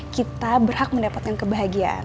kita berhak mendapatkan kebahagiaan